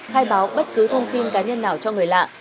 khai báo bất cứ thông tin cá nhân nào cho người lạ